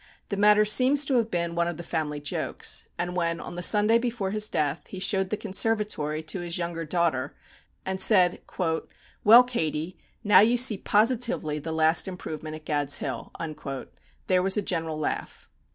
The matter seems to have been one of the family jokes; and when, on the Sunday before his death, he showed the conservatory to his younger daughter, and said, "Well, Katey, now you see positively the last improvement at Gad's Hill," there was a general laugh.